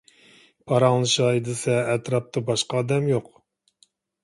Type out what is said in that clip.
پاراڭلىشاي دېسە ئەتراپتا باشقا ئادەم يوق.